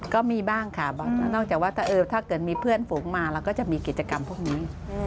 ก็มีบ้างค่ะนอกจากว่าถ้าเกิดมีเพื่อนฝูงมาเราก็จะมีกิจกรรมพวกนี้